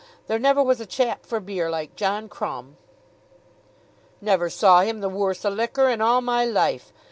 There never was a chap for beer like John Crumb." "Never saw him the worse o' liquor in all my life."